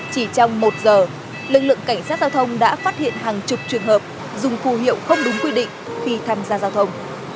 chỉ trong một giờ lực lượng cảnh sát giao thông đã phát hiện hàng chục trường hợp dùng phù hiệu không đúng quy định khi tham gia giao thông